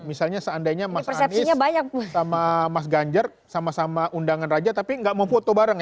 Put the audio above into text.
misalnya seandainya mas anies sama mas ganjer sama sama undangan raja tapi enggak memfoto bareng